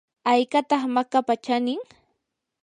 ¿haykataq makapa chanin?